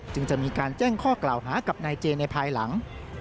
จะมีการแจ้งข้อกล่าวหากับนายเจในภายหลัง